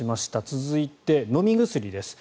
続いて、飲み薬です。